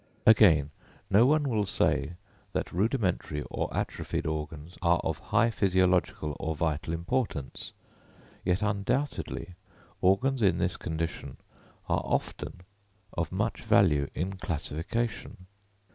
Again, no one will say that rudimentary or atrophied organs are of high physiological or vital importance; yet, undoubtedly, organs in this condition are often of much value in classification.